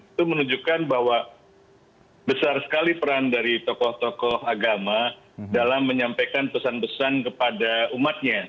itu menunjukkan bahwa besar sekali peran dari tokoh tokoh agama dalam menyampaikan pesan pesan kepada umatnya